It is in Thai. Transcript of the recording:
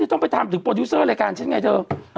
ต้องไปถามถึงโปรดิวเซอร์รายการฉันไงเธอ